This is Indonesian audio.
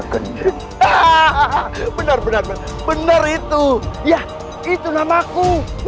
bener bener bener itu ya itu nama aku